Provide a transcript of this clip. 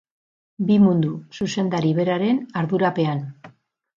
Bi mundu, zuzendari beraren ardurapean.